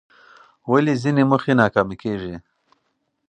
ولې ځینې موخې ناکامه کېږي؟